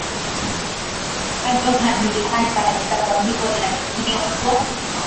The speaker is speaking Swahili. bado haijulikani kabisa kwa hivyo inadhaniwa kuwa